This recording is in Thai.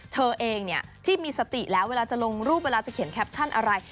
เธอเองที่มีสติแล้วเวลาจะลงรูปเวลาจะเขียนแคปชั่นอะไร